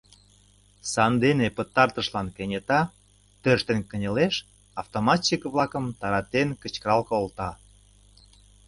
Сандене пытартышлан кенета тӧрштен кынелеш, автоматчик-влакым таратен кычкырал колта: